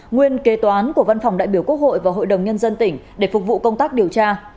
nguyên kế toán của văn phòng đại biểu quốc hội và hội đồng nhân dân tỉnh để phục vụ công tác điều tra